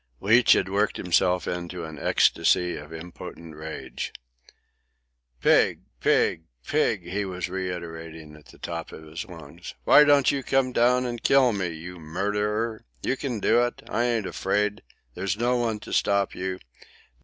Leach had worked himself into an ecstasy of impotent rage. "Pig! Pig! Pig!" he was reiterating at the top of his lungs. "Why don't you come down and kill me, you murderer? You can do it! I ain't afraid! There's no one to stop you!